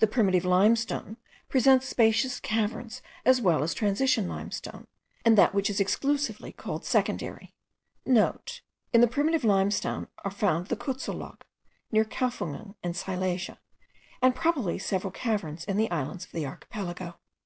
The primitive limestone presents spacious caverns as well as transition limestone,* and that which is exclusively called secondary. (* In the primitive limestone are found the Kuetzel loch, near Kaufungen in Silesia, and probably several caverns in the islands of the Archipelago.